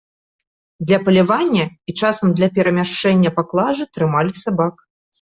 Для палявання і часам для перамяшчэння паклажы трымалі сабак.